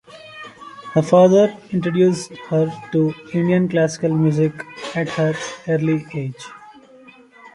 Her father introduced her to Indian Classical music at her early age.